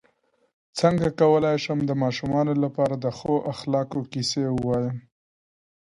څنګه کولی شم د ماشومانو لپاره د ښو اخلاقو کیسې ووایم